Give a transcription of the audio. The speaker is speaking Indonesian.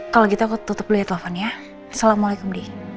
kalau gitu aku tutup dulu ya teleponnya assalamualaikum